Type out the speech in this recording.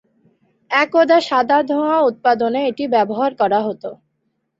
একদা সাদা ধোঁয়া উৎপাদনে এটি ব্যবহার করা হত।